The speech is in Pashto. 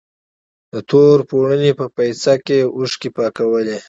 د تور پوړني په پيڅکه يې اوښکې پاکولې.